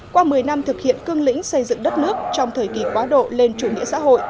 qua một mươi năm thực hiện cương lĩnh xây dựng đất nước trong thời kỳ quá độ lên chủ nghĩa xã hội